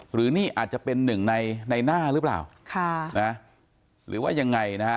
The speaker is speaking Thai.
หรือนี่อาจจะเป็นหนึ่งในในหน้าหรือเปล่าค่ะนะหรือว่ายังไงนะฮะ